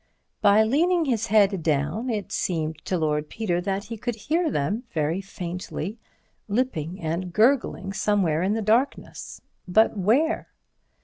By leaning his head down, it seemed to Lord Peter that he could hear them, very faintly, lipping and gurgling somewhere in the darkness. But where?